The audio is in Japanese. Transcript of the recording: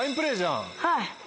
はい。